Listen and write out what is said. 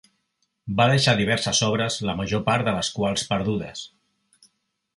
Va deixar diverses obres, la major part de les quals perdudes.